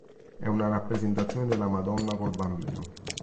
È una rappresentazione della Madonna col Bambino.